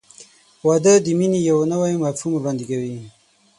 • واده د مینې یو نوی مفهوم وړاندې کوي.